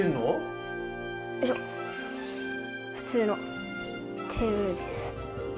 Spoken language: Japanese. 普通のテーブルです。